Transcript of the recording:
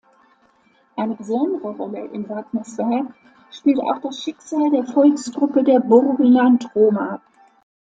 Eine besondere Rolle in Wagners Werk spielt auch das Schicksal der Volksgruppe der Burgenland-Roma.